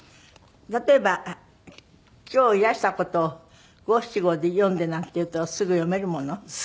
例えば今日いらした事を五七五で詠んでなんていうとすぐ詠めるもの？